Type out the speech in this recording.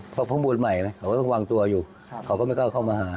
เพราะเพิ่งบวชใหม่นะเขาก็ต้องวางตัวอยู่เขาก็ไม่กล้าเข้ามาหา